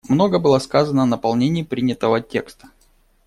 Много было сказано о наполнении принятого текста.